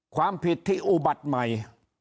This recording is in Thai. ความผิดที่อุบัติใหม่